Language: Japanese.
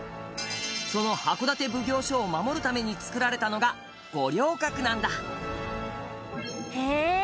その箱館奉行所を守るためにつくられたのが五稜郭なんだへえー！